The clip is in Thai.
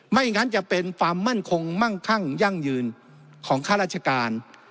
ไม่งั้นจะเป็นความมั่นคงมั่งคั่งยั่งยืนของข้าราชการ